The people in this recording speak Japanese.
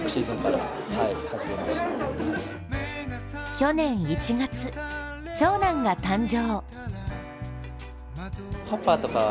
去年１月、長男が誕生。